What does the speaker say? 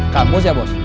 kamu siap bos